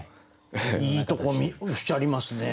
いいとこおっしゃりますね。